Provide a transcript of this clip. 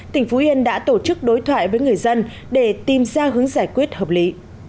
tỉnh phú yên đã tổ chức đối thoại với người dân để tìm ra hướng giải quyết hợp lý